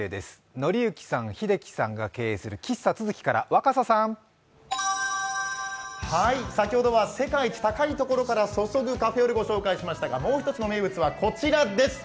憲幸さん、秀紀さんが経営する喫茶ツヅキから先ほどは世界一高いところから注ぐカフェオレをご紹介しましたが、もう一つの名物はこちらです。